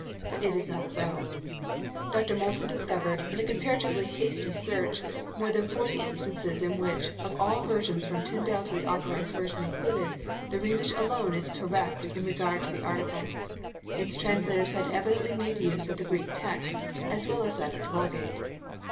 But it is not so. Dr Moulton discovered, in a comparatively hasty search, more than forty instances in which, of all versions from Tyndale to the Authorised Version included, the Rhemish alone is correct in regard to the Article. Its translators had evidently made use of the Greek text as well as that of the Vulgate.